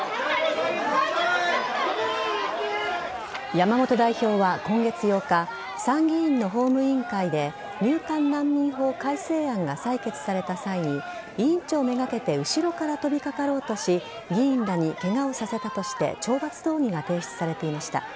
山本代表は今月８日、参議院の法務委員会で、入管難民法改正案が採決された際に、委員長めがけて後ろから飛びかかろうとし、議員らにけがをさせたとして懲罰動議が提出されていました。